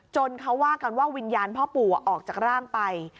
เขาว่ากันว่าวิญญาณพ่อปู่ออกจากร่างไป